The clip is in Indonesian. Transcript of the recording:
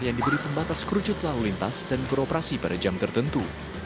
yang diberi pembatas kerucut lalu lintas dan beroperasi pada jam tertentu